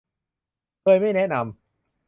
เคยไม่แนะนำ